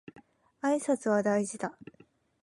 挨拶は大事だ